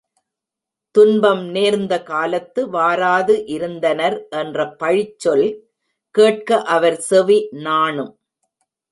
துன்பம் நேர்ந்த காலத்து வாராது இருந்தனர் என்ற பழிச்சொல் கேட்க அவர் செவி நாணும்.